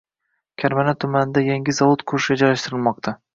Karmana tumanida yangi zavod qurish rejalashtirilmoqdang